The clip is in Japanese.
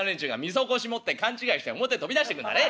そこし持って勘違いして表飛び出してくんだね。